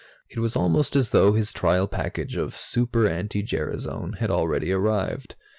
It was almost as though his trial package of Super anti gerasone had already arrived.